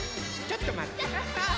ちょっとまって。